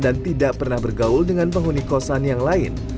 dan tidak pernah bergaul dengan penghuni kosan yang lain